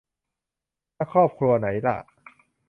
และครอบครัวไหนล่ะ